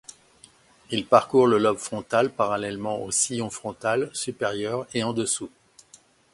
Il parcourt le lobe frontal parallèlement au sillon frontal supérieur et en dessous.